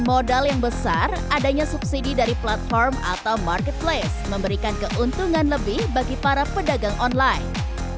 modal yang besar adanya subsidi dari platform atau marketplace memberikan keuntungan lebih bagi para pedagang online